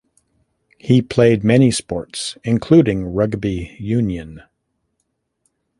He played many sports including rugby union.